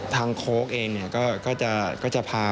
โค้กเองก็จะพา